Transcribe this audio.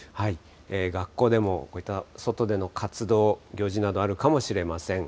学校でも、こういった外での活動、行事などあるかもしれません。